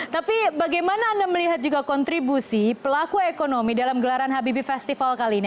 tapi bagaimana anda melihat juga kontribusi pelaku ekonomi dalam gelaran habibi festival kali ini